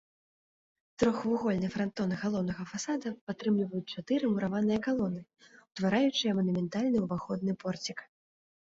Трохвугольны франтон галоўнага фасада падтрымліваюць чатыры мураваныя калоны, утвараючыя манументальны ўваходны порцік.